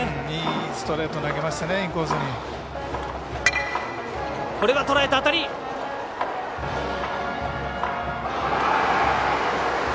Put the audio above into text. いいストレート投げましたね、インコースに。